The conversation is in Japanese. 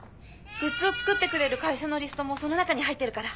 グッズを作ってくれる会社のリストもその中に入ってるから。